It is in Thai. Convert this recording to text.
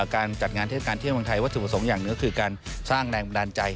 การจัดงานเทศกาลเที่ยวเมืองไทยวัตถุประสงค์อย่างหนึ่งก็คือการสร้างแรงบันดาลใจ